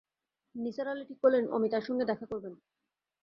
নিসার আলি ঠিক করলেন, অমিতার সঙ্গে দেখা করবেন।